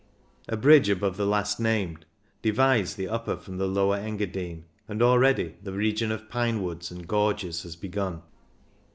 A bridge above the last named divides the Upper from the Lower Engadine, and already the region of pine woods and gorges has begun.